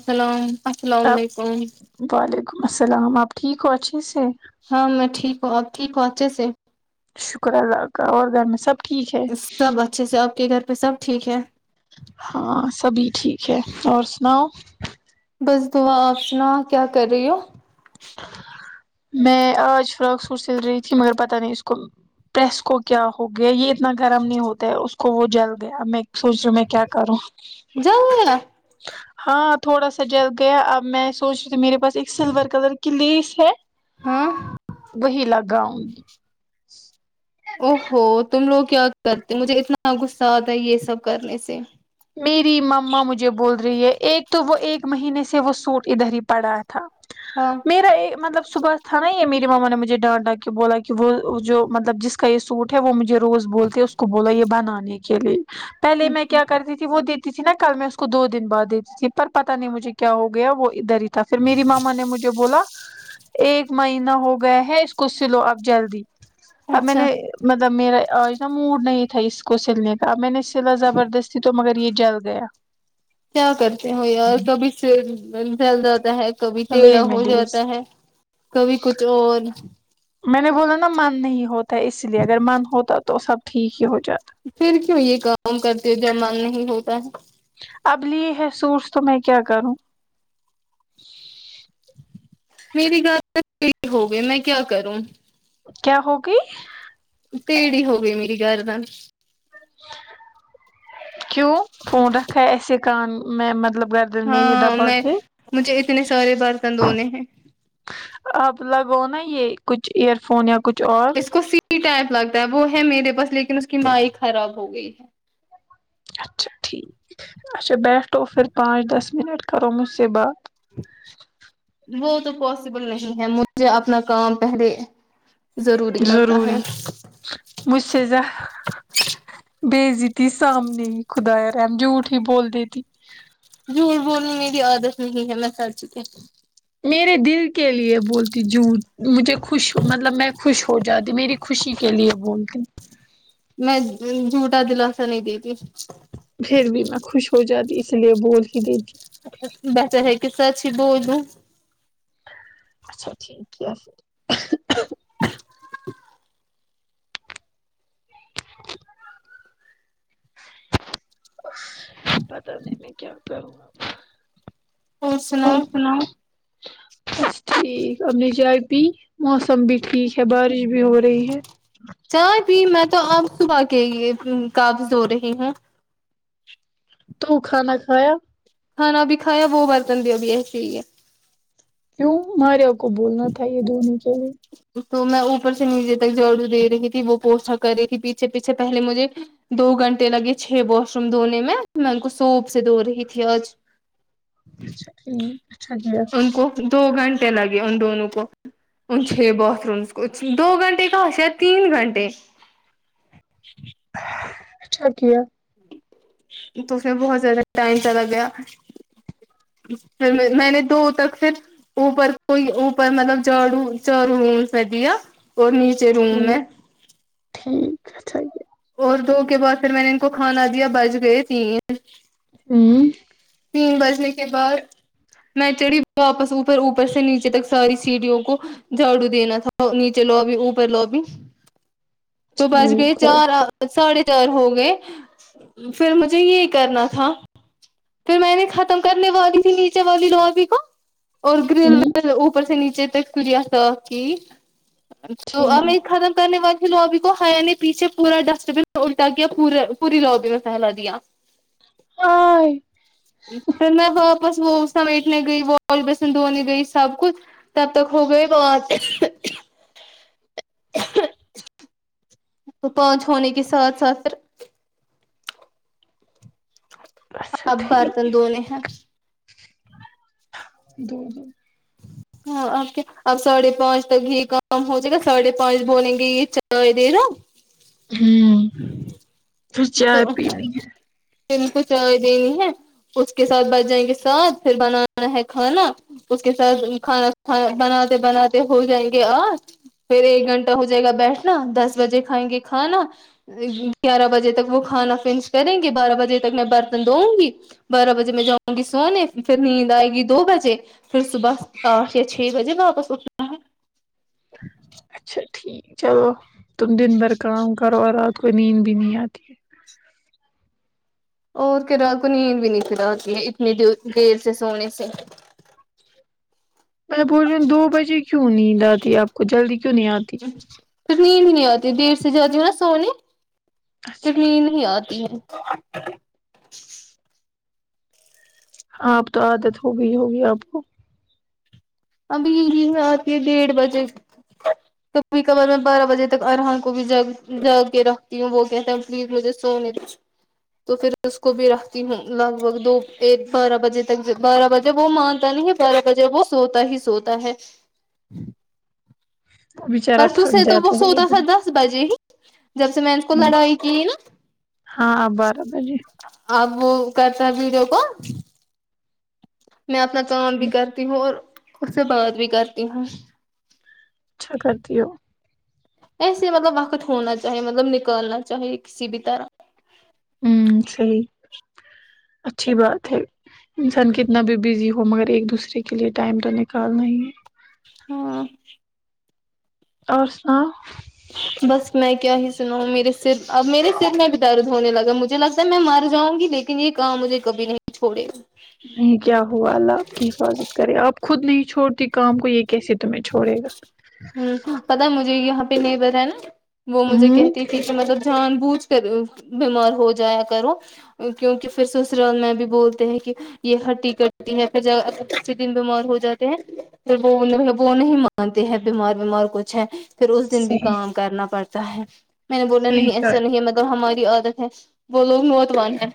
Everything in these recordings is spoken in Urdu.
سلام السلام آپ علیکم وعلیکم السلام آپ ٹھیک ہو اچھے سے ہاں میں ٹھیک ہوں آپ ٹھیک ہو اچھے سے شکر ہے الله کا اور گھر میں سب ٹھیک ہے سب اچھے سے آپ کے گھر پے سب ٹھیک ہے ہاں سبھی ٹھیک ہے اور سناؤ بس دعا ہے آپ سناؤ کیا کر رہی ہو میں آج فراک سوٹ سل رہی تھی مگر پتہ نہیں اس کو پرس کو کیا ہو گیا یے اتنا گرم نہیں ہوتا ہے اس کو وہ جل گیا میں سوچ رہی ہوں میں کیا کروں جل گیا ہاں تھوڑا سا جل گیا اب میں سوچ رہی تھی میرے پس ایک سلور کلر کی لیس ہے ہاں وہی لگاؤ نگی او ہو تم لوگ کیا کرتے مجھے اتنا غصہ آتا ہے یے سب کرنے سے میری مما مجھے بول رہی ہے ایک تو وہ ایک مہینے سے وہ سوٹ ادھر ہی پڑا تھا ہاں میرا یے مطلب صبح تھا نا یے میری مما نے مجھے ڈانٹا کے بولا کہ وہ جو مطلب جس کا یے سوٹ ہے وہ مجھے روز بولتے اس کو بولا یے بنانے کے لئے پہلے میں کیا دیتی وہ دیتی تھی نا کل میں اس کو دو دن بعد دیتی تھی پر پتہ نہیں مجھے کیا ہو گیا وہ ادھر ہی تھا پھر میری ماما نے مجھے بولا ایک مہینہ ہو گیا ہے اسکو سلو اب جلدی اب میں اچھا نے مطلب میرا آج نا موڈ نہیں تھا اس کو سلنے کا اب میں نے سلا زبردست تھی تو مگر یے جل گیا کیا کرتے ہو یار کبھی سوٹ جل جاتا ہے کبھی تھا ٹیڑھا لیج میں ہو لیس جاتا ہے کبھی کچھ اور میں نے بولا نا من نہیں ہوتا اس لیے اگر من ہوتا تو سب ٹھیک ہی ہو جاتا پھر کیوں یے کام کرتے ہو جب من نہیں ہوتا ہے اب لیے ہے سوٹس تو میں کیا کروں میری [unintelligible] ہوگئ میں کیا کروں کیا ہوگئی تیڑھی ہو گئی میری گردن کیوں فون رکھا ہے ایسے کان میں مطلب گھر دن میں یے ہاں دبا میں کے مجھے اتنے سارے برتن دھونے ہیں آپ لگاؤ نا یے کچھ ایئر فون یا کچھ اور اس کو سی ٹائپ لگتا ہے وہ ہے میرے پاس لیکن اس کی مائک خراب ہو گئی ہے اچھا ٹھیک اچھا بیٹھو پھر پانچ دس منٹ کرو مجھ سے بات وہ تو پاسبل نہیں ہے مجھے اپنا کام پہلے ضروری لگتا ہے ضروری مجھ سے زیا بے عزتی سامنے ہی خدا رحم جھوٹ ہی بول دیتی جھوٹ بولنا میری عادت نہیں ہے میں سچ کہتی میرے دل کے لیے بولتی جھوٹ مجھے خوش مطلب میں خوش ہو جاتی میری خوشی کے لیے بولتی ہوں میں جھوٹا دلاسہ نہیں دیتی پھر بھی میں خوش ہو جاتی اسی لیے بول ہی دیتی بٹر ہے کہ سچ ہی بول دوں اچھا ٹھیک کیا پھر [unintelligible] پتہ نہیں کیا کروں اور سناؤ بس ٹھیک اپ نے جائے پی موسم بھی ٹھیک ہے بارش بھی ہو رہی ہے چائے پی میں تو آپ صبح کے لئے کاپس دھو رہی ہوں تو کھانا کھایا کھانا بھی کھایا وہ برتن بھی ابھی ایسے ہی ہے کیوں ماریا کو بولنا تھا یے دھونے کے لیے تو میں اوپر سے نیچے تک جاڑو دے رہی تھی وہ پوچھا کر رہی تھی پیچھے پیچھے پہلے مجھے دو گھنٹے لگے چھ واش روم دھونے میں میں ان کو سوپ سے دھو رہی تھی آج اچھا ٹھیک اچھا کیا ان کو دو گھنٹے لگے ان دونوں کو تھے باتھ رومس کچھ دو گھنٹے کہاں سے ہے تین گھنٹے اچھا کیا تو پھر اس مے بہت زیادہ ٹائم سہ زیادہ لگ گیا پھر میں نے میں نے دو تک پھر اوپر کوئی اوپر مطلب جاڑو چارو رومس میں دیا اور نیچے روم میں ٹھیک ٹھیک اچھا کیا اور دو کے بعد پھر میں نے ان کو کھانا دیا بج گئے تین ہمم تین بجنے کے بعد میں چڑھی واپس اوپر اوپر سے نیچے تک ساری سیڑھیوں کو جھاڑو دینا تھا نیچے لوبی اوپر لوبی تو بج گۓ ٹھیک ہو چار آ ساڑھے چار ہو گئے پھر مجھے یے کرنا تھا پھر میں نے ختم کرنے والی تھی نیچے والی لابی کو اور گرل ہوں جو اوپر سے نیچے تک سیڑھیاں صاف کی تو ٹھیک ہمیں ختم کرنے والی تھی لابی تو حیا نے پیچھے پورا ڈسٹ بن میں الٹا کیا پور پوری لابی میں پھیلا دیا ہائے اتنا سب بس وہ سمیٹنے گئی واش بیسن دھونے گئی سب کچھ تب تک ہو گئے بہت وہ پانچ ہونے کے ساتھ ساتھ پھر اچھا اب ٹھیک برتن دھونے ہیں دو دو ہاں اب کیا اب ساڑھے پانچ تک یہ کام ہو جائے گا ساڑھے پانچ بولیں گے یہ چاۓ دیدو ہوں پھر چائے پینی ہے پھر ان کو چائے دینی ہے اس کے ساتھ بچ جائینگے سات پھر بنانا ہے کھانا اس کے ساتھ کھانا کھانا بناتے بناتے ہو جائیں گے آٹھ پھر ایک گھنٹہ ہو جائے گا بیٹھنا دس بجے کھائیں گے کھانا گیارہ بجے تک وہ کھانا فنش کریں گے بارہ بجے تک میں برتن دھونگی بارہ بجے میں جاؤں گی سونے پھر نیند آئے گی دو بجے پھر صبح سات یا چھ بجے واپس اٹھنا ہے اچھا ٹھیک چلو تم دن بھر کام کرو اور رات کو نیند بھی نہیں آتی ہے اور کیا رات کو نیند بھی نہیں پھر اتی ہے اتنی دیر دیر سے سونے سے میں بولرین دو بجے کیوں نیند آتی اب پھر نیند ہی نہیں آتی دیر سے جاتی ہوں نا سونے پھر اچھا ٹھیک، نیند نہیں آتی ہے اب تو عادت ہوگئی ہوگی آپ کو ابھی نیند اتی ہے ڈیڑھ بجے کبھی کبار میں بارہ بجے تک ارہان کو بھی ج جاگ کے رکھتی ہوں وہ کہتا ہیں پلیز مجھے سونے دو تو پھر اس کو بھی رکھتی ہوں لگ بھگ دو ایک بارہ بجے تک بارہ بجے وہ مانتا نہیں ہے بارہ بجے وہ سوتا ہی سوتا ہے بچارا پرسوں سے تھک تو وہ جاتا سوتا تھا ہے دس بجے ہی جب سے میں نے اس کو لڑائی کی نا ہاں آپ بارہ بجے اب وہ کرتا ہے ویڈیو کال میں اپنا اچھا کام بھی ٹھیک، کرتی ہوں اور اس سے بات بھی کرتی ہوں اچھا کرتی ہو ایسے مطلب وقت ہونا چاہے مطلب نکالنا چاہیے کسی بھی طرح ہوں صحیح اچھی بات ہے انسان کتنا بھی بزی ہو مگر ایک دوسرے کے لیے ٹائم تو نکالنا ہی ہے ہاں اور سناؤ بس میں کیا ہی سناوں میرے سر اب میرے سر میں بھی درد ہونے لگا مجھے لگتا ہے میں مر جاؤں گی لیک ن یہ کام مجھے کبھی نہیں چھوڑے گا نہیں کیا ہوا اللہ آپ کی حفاظت کرے آپ خود نہیں چھوڑتی کام کو یہ کیسے تمہیں چھوڑے گا ہوں پتا ہے مجھے یہاں پہ نیبر ہے نا وہ مجھے ہوں کہتی تھی کہ مطلب جان بوجھ کر بیمار ہو جایا کرو کیونکہ پھر سسرال میں بھی بولتے ہیں کہ یہ ہٹی کٹی ہے پھر جب کسی دن بیمار ہو جاتے ہیں پھر وہ وہ نہیں مانتے ہیں بیمار ومار کچھ ہے پھر اس دن بھی کام کرنا پڑ ٹا ہے میں نے بولا نہیں ایسا نہیں ہے مطلب ہماری عادت ہے وہ لوگ ناتوان ہیں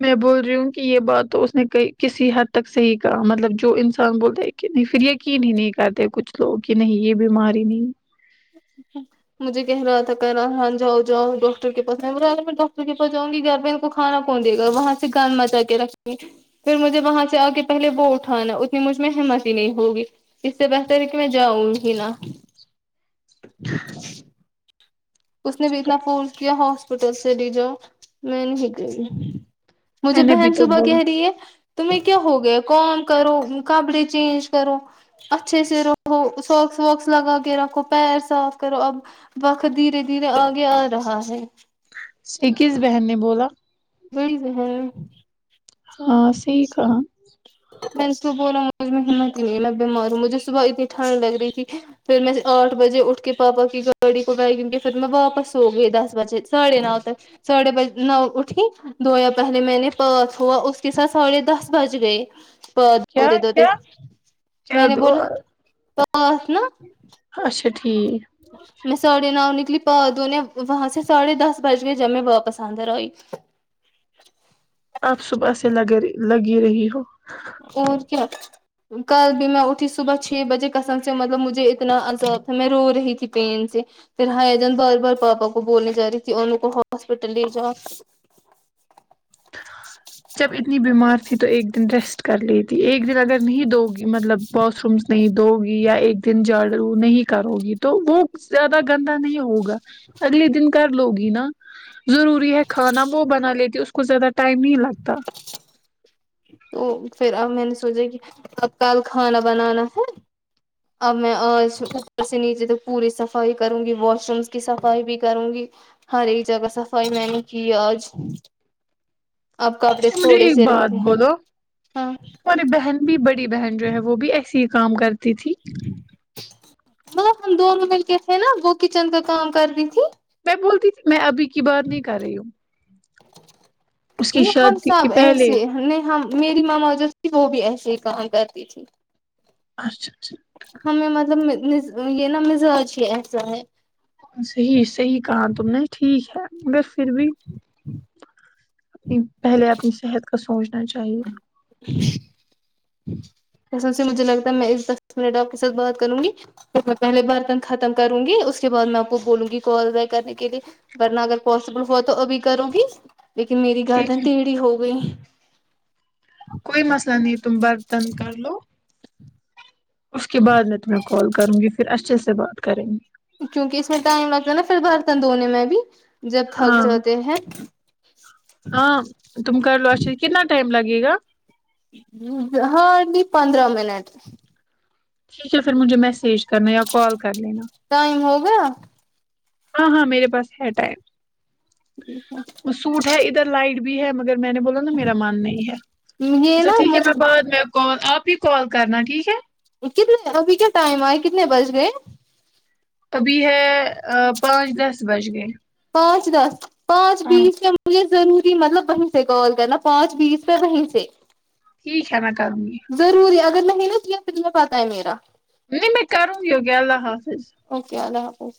میں بول رہی ہوں کہ یہ بات تو اس نے ک کسی حد تک صحیح کہا مطلب جو انسان بولے کہ پھر یقین ہی نہیں کرتے کچھ لوگ کہ نہیں یہ بیمار ہی نہیں [unintelligible] مجھے کہہ رہا تھا کہنا ہاں جاؤ جاؤ ڈاکٹر کے پاس میں بولا اگر ڈاکٹر کے پاس جاؤں گی گھر میں آپ کو کھانا کون دے گا وہاں سے گند مچا کے رکھیں پھر مجھے وہاں سے آ کے پہلے وہ اٹھانا اتنی مجھ میں ہمت ہی نہیں ہوگی اس سے بہتر ہے کہ میں جاؤں ہی نا [inaudible] اس نے بھی اتنا فورس کیا ہاسپٹل چلی جاؤ میں نہیں گئی مجھے میں نے بھی بہن تو صبح بولا کہہ رہی ہے تمہیں کیا ہو گیا کام کرو کپڑے چینج کرو اچھے سے رہو سوکس وکس لگا کے رکھو پیر صاف کرو اب وقت دھیرے دھیرے آگے آ رہا ہے یہ کس بہن نے بولا بڑی بہن ہاں صحیح کہا میں نے اس کو بولا مجھ میں ہمت ہی نہیں ہے میں بیمار ہوں مجھے صبح اتنی ٹھنڈ لگ رہی تھی پھر میں آٹھ بجے اٹھ کے پاپا کی گاوڈی پکائی کیوںکہ پھر میں واپس سو گئی دس بجے ساڑھے نو تک ساڑھے بج نو اٹھی دھویا پہلے میں نے پاس ہوا اس کے ساتھ ساڑھے دس بج گئے پ کیا دھوتے دھوتے کیا میں کیا نے بولا دعا پاز نا اچھا ٹھیک میں ساڑے نؤ نکلی پاؤں دھونے وہاں سے ساڑھے دس بج گئے جب میں واپس اندر آئی آپ صبح سے لگے لگی رہی ہو اور کیا کل بھی میں اٹھی صبح چھ بجے قسم سے مطلب مجھے اتنا عذاب میں رو رہی تھی پین سے پھر حیدن بار بار پاپا کو بولنے جا رہی تھی انو کو ہاسپٹل لے جاؤ جب اتنی بیمار تھی تو ایک دن ریسٹ کر لی تھی ایک دن اگر نہیں دو مطلب واش رومس نہیں دھوگی یا ایک دن جھاڑو نہیں کروگی تو وہ زیادہ گندا نہیں ہوگا اگلے دن کر لو گی نا ضروری ہے کھانا وہ بنا لیتی اس کو زیادہ ٹائم نہیں لگ تو پھر اب میں نے سوچا کہ اب کل کھانا بنانا ہے اب میں آج اوپر سے نیچے تک پوری صفائی کروں گی واش رومس کی صفائی بھی کروں گی ہر ایک جگہ صفائی میں نے کی آج اب کپڑے مجھے تھوڑے ایک سے رہ بات گئے بولو ہاں ہماری بہن بھی بڑی بہن جو ہے وہ بھی ایسے ہی کام کرتی تھی بہت ہم دونوں مل کے تھے نا وہ کچن کا کام کر تی تھی میں بولتی تھی میں ابھی کی بات نہیں کر رہی ہوں اس کی نہیں ہم شادی کی سب پہلے ایسے نہیں ہم میری مما جو تھی وہ بھی ایسے ہی کہا کرتی تھی اچھا اچھا ہمیں مطلب م مز یہ نا مزاج ہی ایسا ہے صحیح صحیح کہا تم نے ٹھیک ہے مگر پھر بھی پہلے اپنی صحت کا سوچنا چاہیے [inaudible] اس واسطے مجھے لگتا ہے میں دس منٹ آپ کے ساتھ بات کروں گی تو میں پہلے برتن ختم کروں گی اس کے بعد میں آپ کو بولوں گی کال بیک کرنے کے لیے ورنہ اگر پاسبل ہوا تو ابھی کروں گی لیکن میری گردن ٹھیک ہے تیڑھی ہو گئی کوئی مسئلہ نہیں تم برتن کر لو اس کے بعد میں تمہیں کال کروں گی پھر اچھے سے بات کریں گے کیونکہ اس میں ٹائم لگتا ہے نا پھر برتن دھونے میں بھی جب تھک ہاں جاتے ہیں ہاں تم کر لو اچھا کتنا ٹائم لگے گا ہارڈلی پندرہ منٹ ٹھیک ہے پھر مجھے میسیج کرنا یا کال کر لینا ٹائم ہو گیا ہاں ہاں میرے پاس ہے ٹائم وہ سوٹ ہے ادھر لائٹ بھی ہے مگر میں نے بولا نا میرا من نہیں ہے یہ اچھا نا ٹھیک ہے مجھے میں بعد میں کال آپ ہی کال کرنا ٹھیک ہے کتنے ابھی کیا ٹائم آئے کتنے بج گئے ابھی ہے اں پانچ دس بج گئے پانچ دس پانچ ہاں بیس یا مجھے ضروری مطلب کہیں سے کال کرنا پانچ بیس پہ کہیں سے ٹھیک ہے میں کرونگی ضروری اگر نہیں نا کیا پتا ہے میرا نہیں میں کروں گی اوکے اللہ حافظ اوکے اللہ حافظ